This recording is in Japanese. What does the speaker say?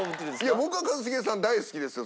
いや僕は一茂さん大好きですよ